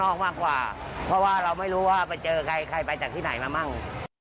มากกว่าเพราะว่าเราไม่รู้ว่าไปเจอใครใครไปจากที่ไหนมามั่ง